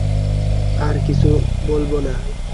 আর কিছু বলব না।